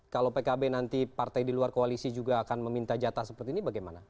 kalau pkb nanti partai di luar koalisi juga akan meminta jatah seperti ini bagaimana